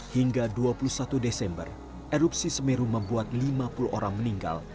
hingga dua puluh satu desember erupsi semeru membuat lima puluh orang meninggal